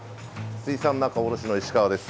水産仲卸の石川です。